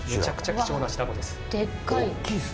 貴重な白子です